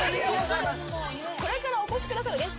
これからお越しくださる